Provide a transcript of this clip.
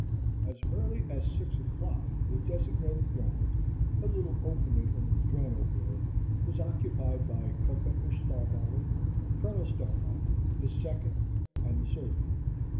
As early as six o'clock the designated ground a little opening in the madrono grove was occupied by Culpepper Starbottle, Colonel Starbottle, his second, and the surgeon.